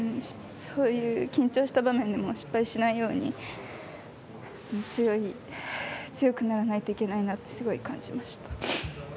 そういう緊張した場面でも失敗しないように強くならないといけないなとすごい感じました。